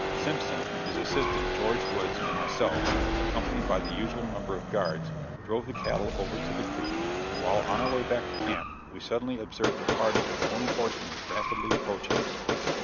Simpson, his assistant, George Woods and myself, accompanied by the usual number of guards, drove the cattle over to the creek, and while on our way back to camp, we suddenly observed a party of twenty horsemen rapidly approaching us.